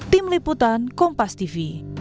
tim liputan kompas tv